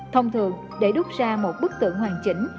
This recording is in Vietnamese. thông thường để đúc ra một bức tượng hoàn chỉnh